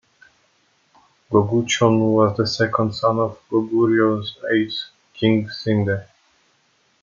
Gogukcheon was the second son of Goguryeo's eighth king, Sindae.